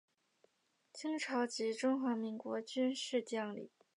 清朝及中华民国军事将领。